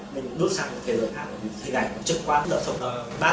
mình đốt sẵn cái lượng hạng